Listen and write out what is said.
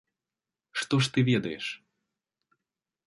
Што ж ты ведаеш?